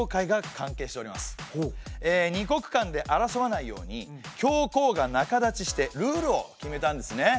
２国間で争わないように教皇が仲立ちしてルールを決めたんですね。